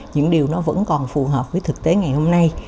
những điều nó vẫn còn phù hợp với thực tế ngày hôm nay